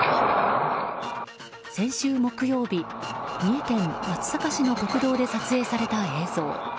先週木曜日、三重県松坂市の国道で撮影された映像。